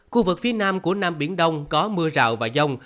khu vực phía nam của nam biển đông có mưa rào và dông